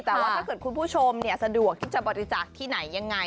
แต่ว่าถ้าเกิดคุณผู้ชมสะดวกที่จะบริจาคที่ไหนยังไง